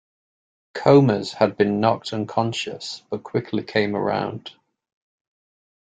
Comas had been knocked unconscious but quickly came around.